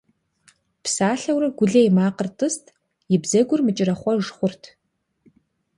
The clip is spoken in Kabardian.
Псалъэурэ, Гулэ и макъыр тӀыст, и бзэгур мыкӀэрэхъуэж хъурт.